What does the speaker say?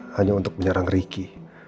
hanya untuk menyerang ricky